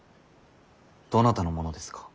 どなたのものですか。